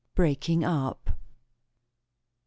BREAKING UP. Mr.